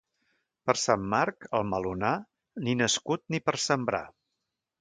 Per Sant Marc, el melonar, ni nascut ni per sembrar.